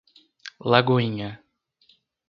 Lagoinha